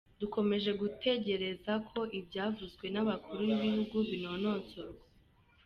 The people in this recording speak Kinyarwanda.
Dukomeje gutegereza ko ibyavuzwe n’Abakuru b’ibihugu binononsorwa’’.